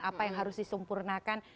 apa yang harus disumpurnakan